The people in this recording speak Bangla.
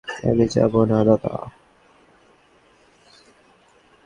আমি যাবো না, দাদা।